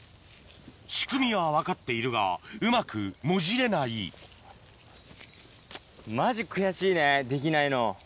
仕組みは分かっているがうまくもじれないチッマジ悔しいねできないの。